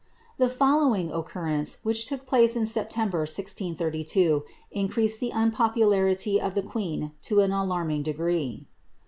The following occurrence, which took place in Sept., 1 632, increased l^ie unpopularity of the queen to an alarming degree.